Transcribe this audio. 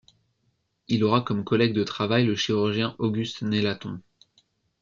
Il aura comme collègue de travail le chirurgien Auguste Nélaton.